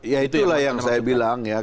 ya itulah yang saya bilang ya